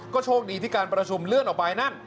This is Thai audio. ก็โชคดีที่การประชุมเลื่อนออกไปนั่น